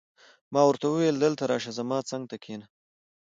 ما ورته وویل: دلته راشه، زما څنګ ته کښېنه.